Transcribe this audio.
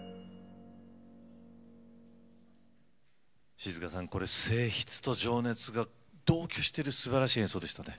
静香さんこれ静ひつと情熱が同居してるすばらしい演奏でしたね。